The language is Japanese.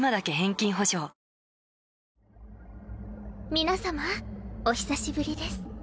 皆様お久しぶりです。